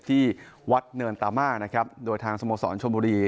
ที่วัดเนินตาม่านะครับโดยทางสโมสรชมบุรี